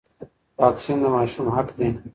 واکسین د ماشوم حق دی.